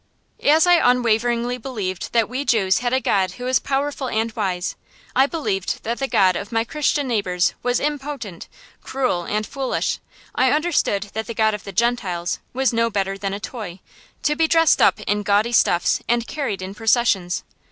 As unwaveringly as I believed that we Jews had a God who was powerful and wise, I believed that the God of my Christian neighbors was impotent, cruel, and foolish. I understood that the god of the Gentiles was no better than a toy, to be dressed up in gaudy stuffs and carried in processions.